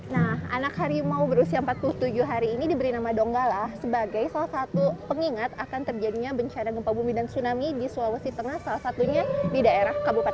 nah anak harimau berusia empat puluh tujuh hari ini diberi nama donggala sebagai salah satu pengingat akan terjadinya bencana gempa bumi dan tsunami di sulawesi tengah salah satunya di daerah kabupaten